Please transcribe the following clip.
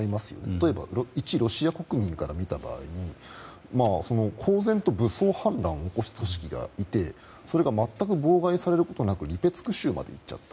例えばいちロシア国民から見た場合に公然と武装反乱を起こした組織がいてそれが全く妨害されることなくリペツク州まで行っちゃった。